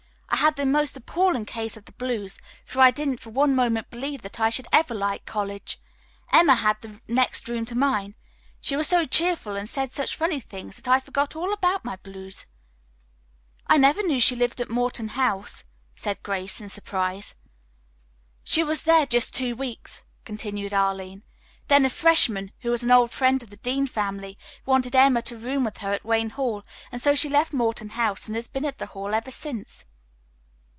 I had the most appalling case of the blues, for I didn't for one moment believe that I should ever like college. Emma had the next room to mine. She was so cheerful and said such funny things that I forgot all about my blues." "I never knew she had lived at Morton House," said Grace in surprise. "She was there just two weeks," continued Arline. "Then a freshman, who was an old friend of the Dean family, wanted Emma to room with her at Wayne Hall, and so she left Morton House and has been at the Hall ever since."